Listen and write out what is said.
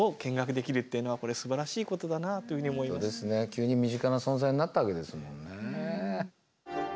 急に身近な存在になったわけですもんね。